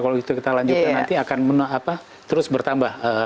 kalau gitu kita lanjutkan nanti akan terus bertambah